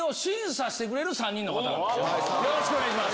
よろしくお願いします。